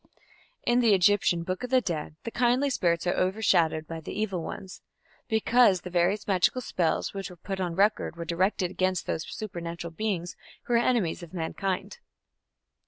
In the Egyptian Book of the Dead the kindly spirits are overshadowed by the evil ones, because the various magical spells which were put on record were directed against those supernatural beings who were enemies of mankind.